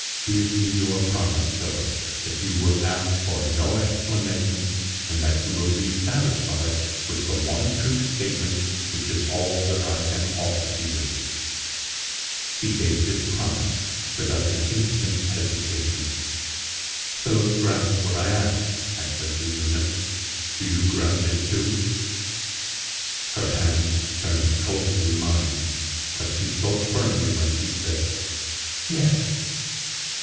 Give me your promise, Philip, that you will ask for no explanations, and that you will be satisfied with the one true statement which is all that I can offer to you." He gave me his promise, without an instant's hesitation. "Philip grants what I ask," I said to Eunice. "Do you grant it, too?" Her hand turned cold in mine; but she spoke firmly when she said: "Yes."